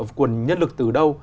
nguồn nhân lực từ đâu